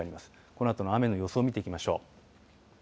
このあとの雨の予想、見てきましょう。